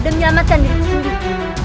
dan menyelamatkan diriku sendiri